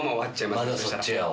まだそっちやわ。